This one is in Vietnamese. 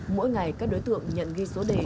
mỗi ngày các đối tượng nhận ghi số đề